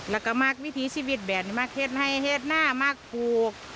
แล้วก็มีวิธีชีวิตแบบนี้มีเฮ็ดให้เฮ็ดหน้ามีเฮ็ดมาปลูก